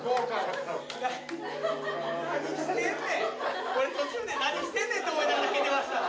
何してんねん、俺途中から何してんねんと思いながら弾いてました。